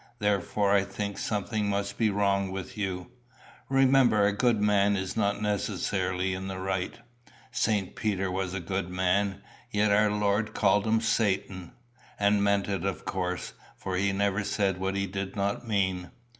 Therefore I think something must be wrong with you. Remember a good man is not necessarily in the right. St. Peter was a good man, yet our Lord called him Satan and meant it of course, for he never said what he did not mean."